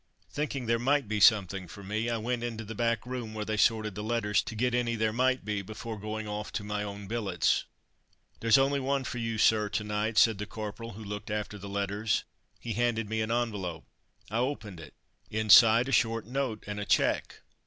Thinking there might be something for me, I went into the back room where they sorted the letters, to get any there might be before going off to my own billets. "There's only one for you, sir, to night," said the corporal who looked after the letters. He handed me an envelope. I opened it. Inside, a short note and a cheque.